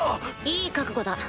いい覚悟だ。